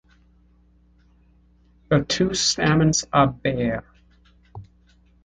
The two stamens are bare.